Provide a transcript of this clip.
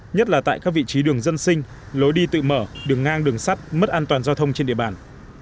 nhất là tại các vị trí đường dân sinh lối đi tự mở đường ngang đường sắt mất an toàn giao thông trên địa bàn